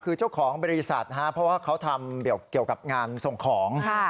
คือเจ้าของบริษัทเพราะว่าเขาทำเกี่ยวกับงานส่งของ